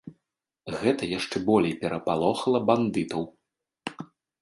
Гэта яшчэ болей перапалохала бандытаў.